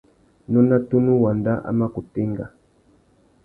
Nôna tunu wanda a mà kutu enga.